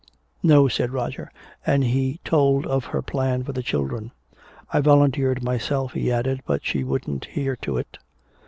"No," said Roger. And he told of her plan for the children. "I volunteered myself," he added, "but she wouldn't hear to it."